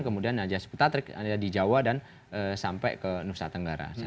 kemudian naja seputatrik yang ada di jawa dan sampai ke nusa tenggara